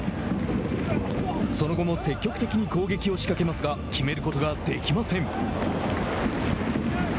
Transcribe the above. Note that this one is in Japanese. その後も、積極的に攻撃を仕掛けますが決めることができません。